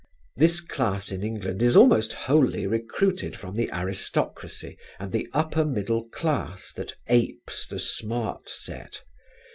This class in England is almost wholly recruited from the aristocracy and the upper middle class that apes the "smart set."